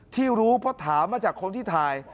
ที่รู้เพราะถามมาจากคนที่ถ่าย